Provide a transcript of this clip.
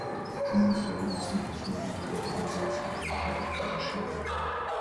Diese Fälle müssen im Vorhinein ebenso von der Wahlbehörde entschieden werden.